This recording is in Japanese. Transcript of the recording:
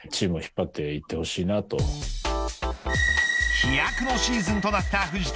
飛躍のシーズンとなった藤田。